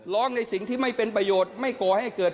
ในสิ่งที่ไม่เป็นประโยชน์ไม่ก่อให้เกิด